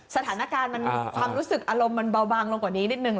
สถานการณ์ความรู้สึกอารมณ์มันเบาบางลงกว่านี้นิดนึง